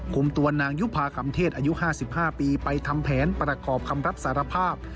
คุมตัวนางยุภาคำเทศอายุ๕๕ปีไปทำแผนประกอบคำรับสารภาพ